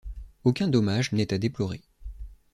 Aucun dommage n'est à déplorer.